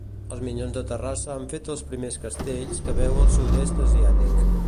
Els Minyons de Terrassa han fet els primers castells que veu el sud-est asiàtic.